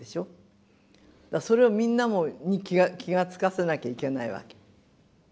それをみんなに気が付かせなきゃいけないわけ。